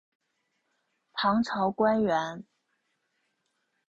唐朝官员。